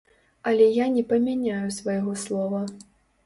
Але я не памяняю свайго слова.